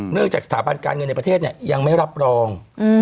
เนื่องจากสถาบันการณ์เงินในประเทศเนี่ยยังไม่รับรอง